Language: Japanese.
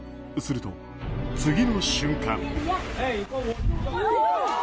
すると、次の瞬間。